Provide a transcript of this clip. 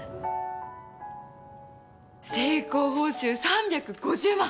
成功報酬３５０万！